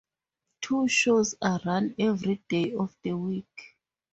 Two shows are run every day of the week.